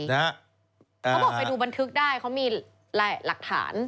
เขาบอกไปดูบันทึกได้เขามีหลักฐาน